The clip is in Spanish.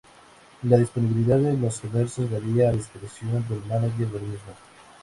La disponibilidad en los comercios varía a discreción del mánager del mismo.